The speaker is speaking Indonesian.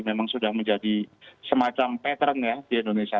memang sudah menjadi semacam pattern ya di indonesia